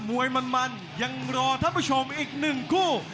มวยมันยังรอท่านผู้ชมอีกหนึ่งคู่